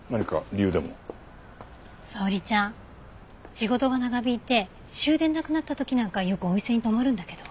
仕事が長引いて終電なくなった時なんかよくお店に泊まるんだけど。